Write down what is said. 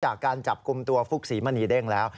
จากการจับกลุ่มตัวฟุกศรีมณีเด้งแล้ว